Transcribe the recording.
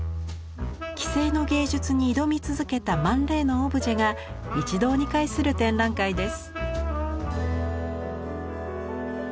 既成の芸術に挑み続けたマン・レイのオブジェが一堂に会する展覧会です。